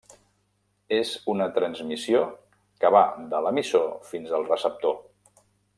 És una transmissió que va del de l'emissor fins al receptor.